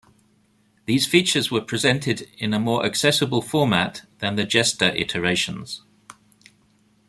These features were presented in a more accessible format than the Jester iterations.